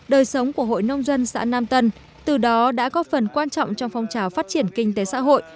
đời sống của hội nông dân xã nam tân từ đó đã có phần quan trọng trong phong trào phát triển kinh tế xã hội